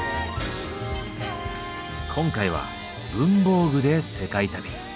今回は文房具で世界旅。